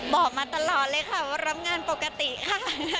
บอกมาตลอดเลยค่ะว่ารับงานปกติค่ะ